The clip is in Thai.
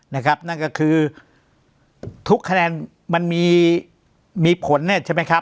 นั่นก็คือทุกคะแนนมันมีมีผลเนี่ยใช่ไหมครับ